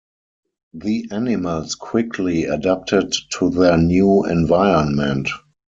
The animals quickly adapted to their new environment.